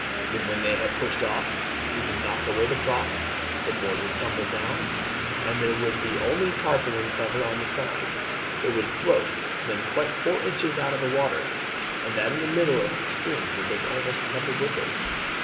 Then when they have pushed off you could knock away the props, the board would tumble down, and there would be only the tarpaulin cover on the sides. It would float then quite four inches out of the water, and that in the middle of the stream would look almost level with it."